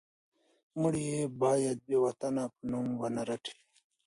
مړی یې باید د بې وطنه په نوم ونه رټي.